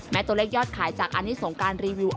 แม้ตัวเลขยอดขายจากอันนี้สงการรีวิวออกมา